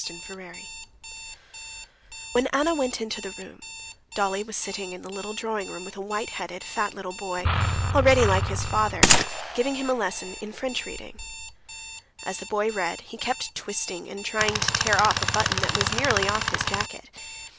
Chapter 19 When Anna went into the room, Dolly was sitting in the little drawing room with a white headed fat little boy, already like his father, giving him a lesson in French reading. As the boy read, he kept twisting and trying to tear off a button that was nearly off his jacket.